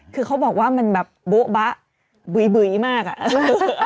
คือเขาบอกว่ามันแบบโบ๊ะบะบุ๋ยมากอ่ะ